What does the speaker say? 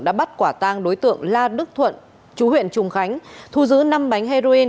đã bắt quả tang đối tượng la đức thuận chú huyện trùng khánh thu giữ năm bánh heroin